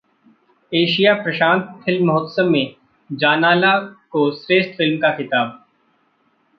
Asia प्रशांत film महोत्सव में ‘जानाला’ को श्रेष्ठ फिल्म का खिताब